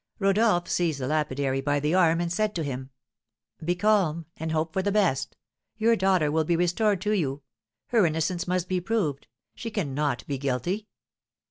Rodolph seized the lapidary by the arm, and said to him: "Be calm, and hope for the best; your daughter will be restored to you; her innocence must be proved; she cannot be guilty."